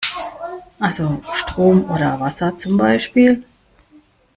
Also Strom oder Wasser zum Beispiel?